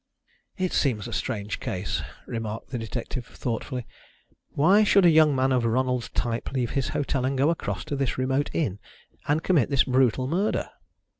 "It seems a strange case," remarked the detective thoughtfully. "Why should a young man of Ronald's type leave his hotel and go across to this remote inn, and commit this brutal murder?"